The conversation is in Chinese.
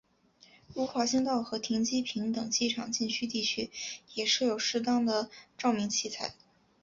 如滑行道和停机坪等机场禁区地区也设有适当的照明器材。